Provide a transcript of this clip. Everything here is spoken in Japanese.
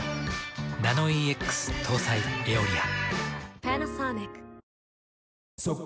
ナノイーＸ搭載「エオリア」。